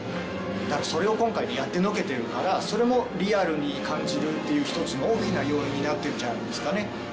だからそれを今回やってのけてるからそれもリアルに感じるっていう一つの大きな要因になってるんじゃないですかね。